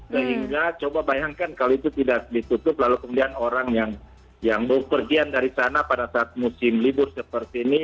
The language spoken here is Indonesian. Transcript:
sehingga coba bayangkan kalau itu tidak ditutup lalu kemudian orang yang mau pergian dari sana pada saat musim libur seperti ini